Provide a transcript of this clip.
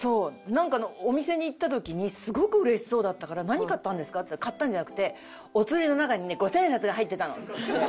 なんかお店に行った時にすごく嬉しそうだったから「何買ったんですか？」って言ったら買ったんじゃなくて「お釣りの中にね五千円札が入ってたの」って言って。